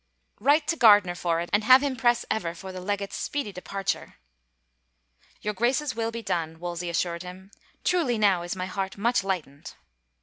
" Write to Gardiner for it and have him press ever for the legate's speedy departure." " Your Grace's will be done," Wolsey assured him. Truly now is my heart much lightened."